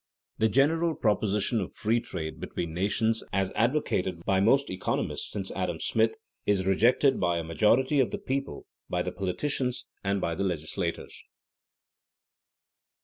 The general proposition of free trade between nations, as advocated by most economists since Adam Smith, is rejected by a majority of the people, by the politicians, and by the legislators.